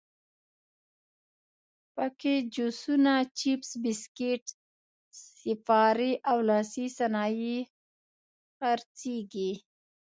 په کې جوسونه، چپس، بسکیټ، سیپارې او لاسي صنایع خرڅېږي.